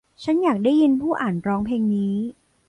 ฉันอยากได้ยินผู้อ่านร้องเพลงนี้